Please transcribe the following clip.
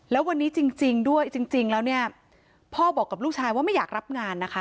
แล้ววันนี้จริงด้วยจริงแล้วเนี่ยพ่อบอกกับลูกชายว่าไม่อยากรับงานนะคะ